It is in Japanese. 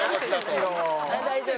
大丈夫。